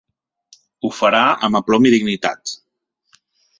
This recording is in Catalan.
Ho farà amb aplom i dignitat